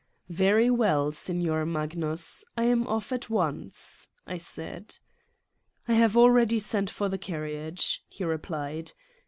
'' Very well, Signor Magnus ! I am off at once I '' I said. "I have already sent for the carriage," he re plied.